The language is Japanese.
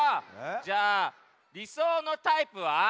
じゃありそうのタイプは？